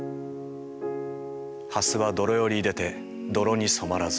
「蓮は泥より出でて泥に染まらず」。